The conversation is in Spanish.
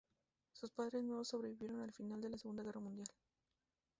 Sus padres no sobrevivieron al final de la Segunda Guerra Mundial.